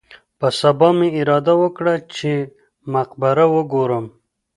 په سبا مې اراده وکړه چې مقبره وګورم.